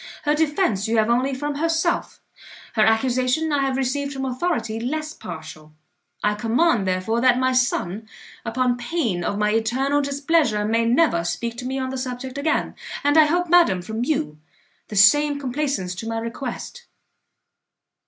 Her defence you have only from herself, her accusation I have received from authority less partial. I command, therefore, that my son, upon pain of my eternal displeasure, may never speak to me on the subject again, and I hope, madam, from you the same complaisance to my request.